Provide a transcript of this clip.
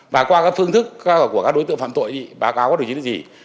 và qua các phương thức của các đối tượng phạm tội thì báo cáo có được những gì